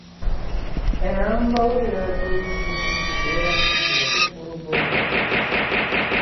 En ambaŭ rilatoj ĝin superas nur la ĉefurbo Zagrebo.